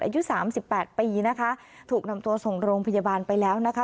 อายุสามสิบแปดปีนะคะถูกนำตัวส่งโรงพยาบาลไปแล้วนะคะ